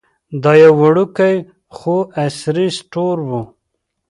دا یو وړوکی خو عصري سټور و.